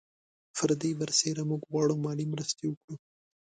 پر دې برسېره موږ غواړو مالي مرستې وکړو.